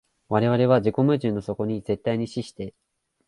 我々は自己矛盾の底に絶対に死して、